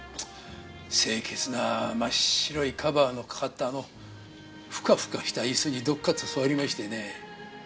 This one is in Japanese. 清潔な真っ白いカバーのかかったあのフカフカした椅子にどかっと座りましてね。